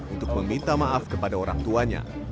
untuk meminta maaf kepada orang tuanya